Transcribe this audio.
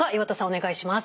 お願いします。